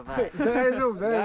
大丈夫大丈夫。